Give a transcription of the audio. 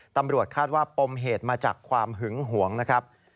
ตำรวจคาดว่าปมเหตุมาจากความหึงหวงนะครับ